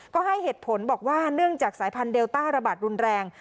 ก็ให้เหตุผลบอกว่าเนื่องจากสายพันธุเดลต้าระบาดรุนแรง